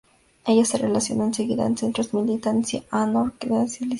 Ella se relacionó enseguida con centros de militancia anarcosindicalista.